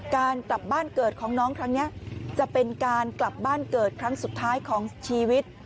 การกลับบ้านเกิดของน้องครั้งนี้จะเป็นการกลับบ้านเกิดครั้งสุดท้ายของชีวิต